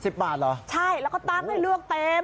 บาทเหรอใช่แล้วก็ตั้งให้เลือกเต็ม